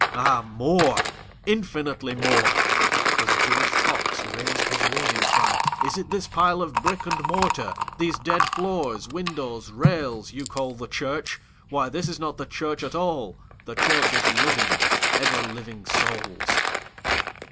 Ah more, infinitely more; (As George Fox rais'd his warning cry, "Is it this pile of brick and mortar, these dead floors, windows, rails, you call the church? Why this is not the church at all the church is living, ever living souls.")